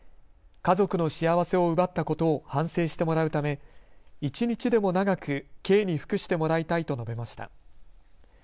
家族の幸せを奪ったことを反省してもらうため一日でも長く刑に服してもらいたいと述べました。